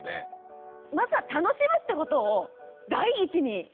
まずは楽しむってことを第一にしたいなって。